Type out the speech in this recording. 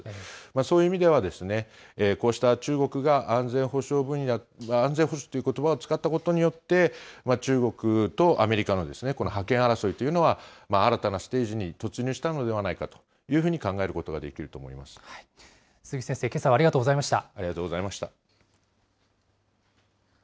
そういう意味では、こうした中国が安全保障ということばを使ったことによって、中国とアメリカの覇権争いというのは、新たなステージに突入したのではないかというふうに考えることができると思鈴木先生、けさはありがとうありがとうございました。